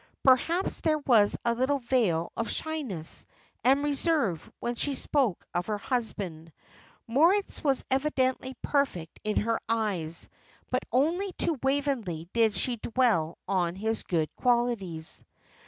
Perhaps there was a little veil of shyness and reserve when she spoke of her husband. Moritz was evidently perfect in her eyes; but only to Waveney did she dwell on his good qualities.